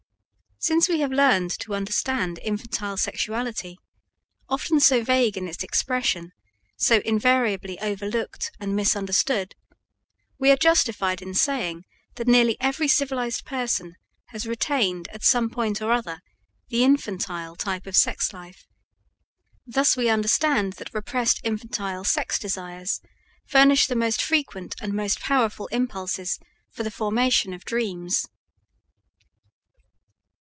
Since we have learnt to understand infantile sexuality, often so vague in its expression, so invariably overlooked and misunderstood, we are justified in saying that nearly every civilized person has retained at some point or other the infantile type of sex life; thus we understand that repressed infantile sex desires furnish the most frequent and most powerful impulses for the formation of dreams.